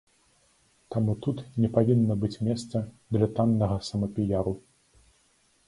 Таму тут не павінна быць месца для таннага самапіяру.